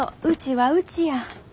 うちはうちや。